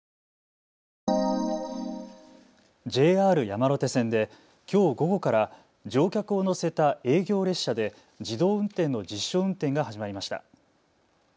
ＪＲ山手線できょう午後から乗客を乗せた営業列車で自動運転の実証運転が始まりました。